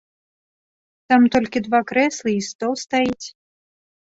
Там толькі два крэслы й стол стаіць.